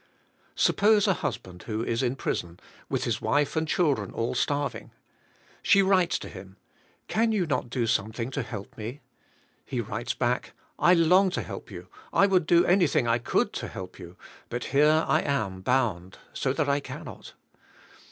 Suppose a husband who in prison with his wife and children all starving*. She writes to him " Can you not do something* to help me?" He writes back, '*! long to help you, I would do anything" I could to help you, but here I am bound, so that I cannot."